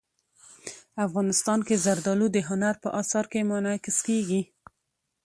افغانستان کې زردالو د هنر په اثار کې منعکس کېږي.